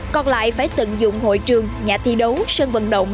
còn lại phải tận dụng hội trường nhà thi đấu sân vận động